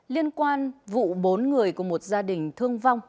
liên quan vụ bốn người của một gia đình thương vong